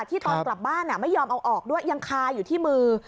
ตอนกลับบ้านไม่ยอมเอาออกด้วยยังคาอยู่ที่มือ